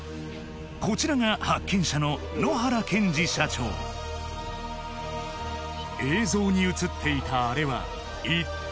こちらが発見者の映像にうつっていたあれは一体？